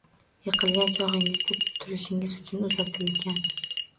Yiqilgan chogʻingizda turishingiz uchun uzatilgan